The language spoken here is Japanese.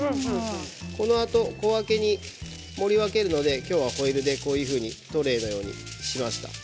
このあと小分けに盛り分けるので今日はホイルでトレーのようにしました。